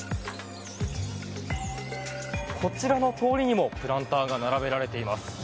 こちらの通りにもプランターが並べられています。